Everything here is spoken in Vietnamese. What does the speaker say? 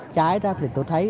cháy đó thì tôi thấy